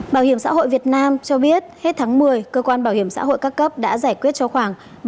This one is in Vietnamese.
bảo hiểm xã hội việt nam cho biết hết tháng một mươi cơ quan bảo hiểm xã hội các cấp đã giải quyết cho khoảng